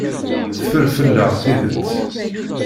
Teffer fell-aɣ tidet.